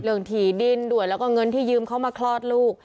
ถี่ดินด้วยแล้วก็เงินที่ยืมเขามาคลอดลูก